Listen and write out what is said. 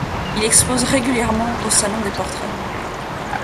Il expose régulièrement au salon des portraits.